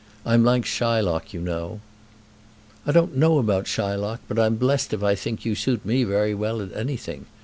I'm like Shylock, you know." "I don't know about Shylock, but I'm blessed if I think you suit me very well at anything.